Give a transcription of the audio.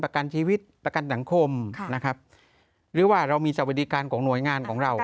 ประกันชีวิตประกันสังคมนะครับหรือว่าเรามีสวัสดิการของหน่วยงานของเรา